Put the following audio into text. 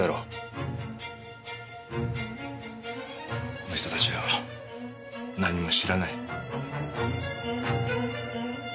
この人たちは何にも知らない。